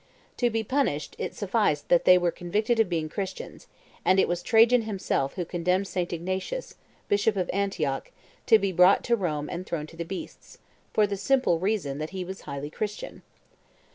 To be punished, it sufficed that they were convicted of being Christians; and it was Trajan himself who condemned St. Ignatius, Bishop of Antioch, to be brought to Rome and thrown to the beasts, for the simple reason that he was highly Christian.